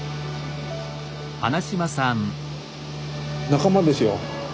仲間ですよ。